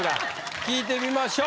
聞いてみましょう。